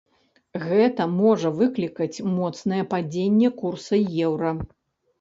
Гэта можа выклікаць моцнае падзенне курса еўра.